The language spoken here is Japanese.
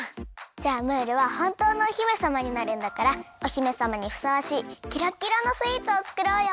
じゃあムールはほんとうのお姫さまになるんだからお姫さまにふさわしいキラキラのスイーツをつくろうよ。